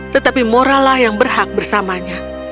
tetapi moralah yang berhak bersamanya